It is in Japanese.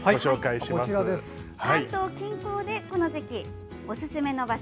関東近郊でこの時期おすすめの場所